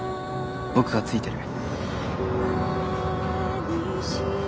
僕がついてる。